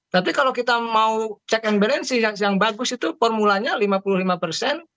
tapi kalau kita mau check and barrency yang bagus itu formulanya lima puluh lima persen